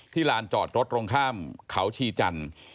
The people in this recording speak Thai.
ลานจอดรถตรงข้ามเขาชีจันทร์